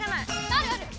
あるある。